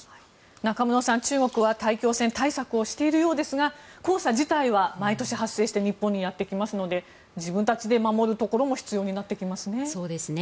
中室さん、中国は大気汚染対策をしているようですが黄砂自体は毎年発生して日本にやってきますので自分たちで守るところも必要になってきますね。